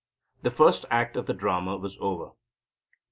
The first act of the drama was over.